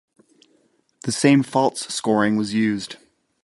The same faults scoring was used.